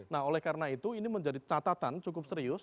nah oleh karena itu ini menjadi catatan cukup serius